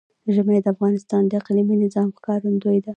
ژمی د افغانستان د اقلیمي نظام ښکارندوی ده.